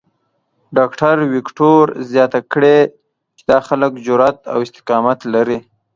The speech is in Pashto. ډاکټر وېکټور زیاته کړې چې دا خلک جرات او استقامت لري.